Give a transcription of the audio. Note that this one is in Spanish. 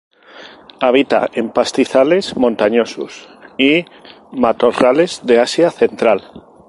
Habita en pastizales montañosos y Matorrales de Asia central.